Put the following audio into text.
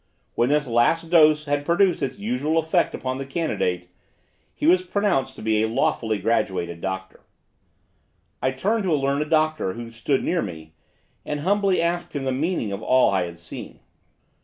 When this last dose had produced its usual effect upon the candidate, he was pronounced to be a lawfully graduated doctor. I turned to a learned doctor, who stood near me, and humbly asked him the meaning of all I had seen.